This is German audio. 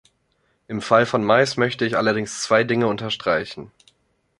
Im Fall von Mais möchte ich allerdings zwei Dinge unterstreichen.